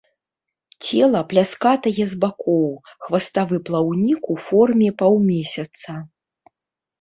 Цела пляскатае з бакоў, хваставы плаўнік ў форме паўмесяца.